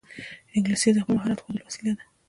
انګلیسي د خپل مهارت ښودلو وسیله ده